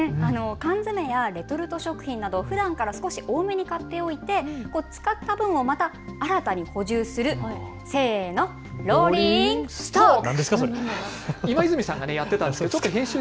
缶詰やレトルト食品などふだんから少し多めに買っておいて使った分をまた新たに補充する、ローリングストック！